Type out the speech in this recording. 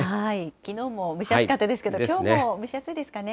きのうも蒸し暑かったですけど、きょうも蒸し暑いですかね。